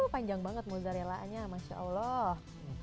panjang banget mozzarella nya masya allah